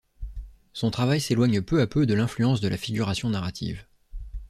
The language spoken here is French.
Son travail s'éloigne peu à peu de l'influence de la Figuration narrative.